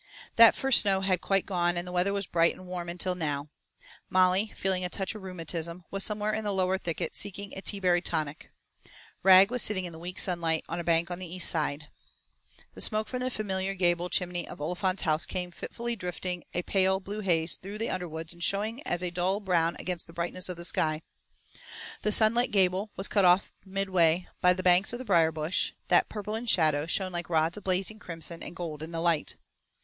That first snow had quite gone and the weather was bright and warm until now. Molly, feeling a touch of rheumatism, was somewhere in the lower thicket seeking a teaberry tonic. Rag was sitting in the weak sunlight on a bank in the east side. The smoke from the familiar gable chimney of Olifant's house came fitfully drifting a pale blue haze through the underwoods and showing as a dull brown against the brightness of the sky. The sun gilt gable was cut off midway by the banks of brier brush, that, purple in shadow, shone like rods of blazing crimson and gold in the light.